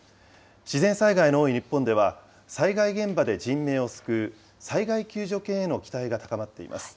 自然災害の多い日本では、災害現場で人命を救う災害救助犬への期待が高まっています。